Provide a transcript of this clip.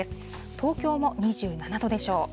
東京も２７度でしょう。